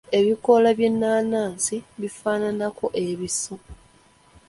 Ebikoola by’ennaanansi bifaananako ebiso.